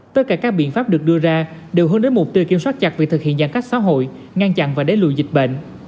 tất cả các biện pháp được đưa ra đều hướng đến mục tiêu kiểm soát chặt việc thực hiện giãn cách xã hội ngăn chặn và đẩy lùi dịch bệnh